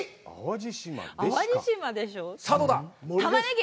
淡路島でしょう？